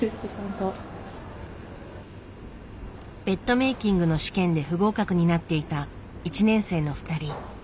ベッドメイキングの試験で不合格になっていた１年生の２人。